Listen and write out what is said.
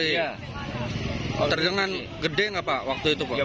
ya besar pak